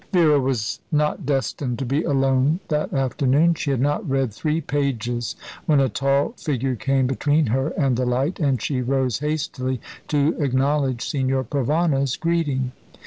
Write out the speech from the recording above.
Vera was not destined to be alone that afternoon. She had not read three pages when a tall figure came between her and the light, and she rose hastily to acknowledge Signor Provana's greeting.